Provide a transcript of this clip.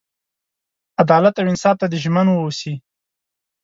عدالت او انصاف ته دې ژمن ووسي.